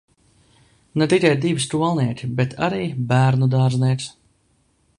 Ne tikai divi skolnieki, bet arī bērnudārznieks.